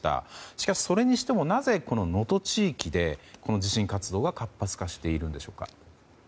しかしそれにしてもなぜ能登地域でこの地震活動が活発化しているんでしょうか？